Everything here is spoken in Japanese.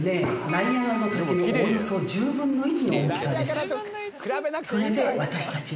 ナイアガラの滝のおおよそ１０分の１の大きさです。